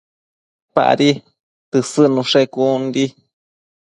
Padi tësëdnushe con di